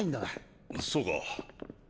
そうか。